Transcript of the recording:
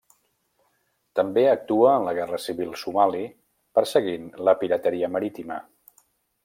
També actua en la guerra civil somali perseguint la pirateria marítima.